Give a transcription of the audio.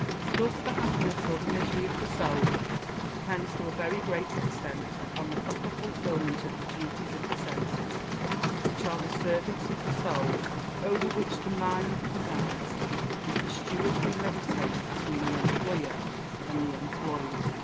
Thus the happiness or the misery of the Soul depends to a very great extent upon the proper fulfilment of the duties of the senses, which are the servants of the Soul, over which the mind presides, as the steward who mediates between the employer and the employed.